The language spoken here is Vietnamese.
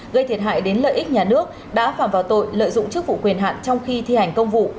gây thiệt hại đến lợi ích nhà nước đã phảm vào tội lợi dụng chức vụ quyền hạn trong khi thi hành công vụ